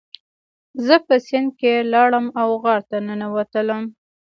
زه په سیند کې لاړم او غار ته ننوتلم.